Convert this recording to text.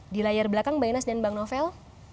di layar belakang bang ines dan bang novel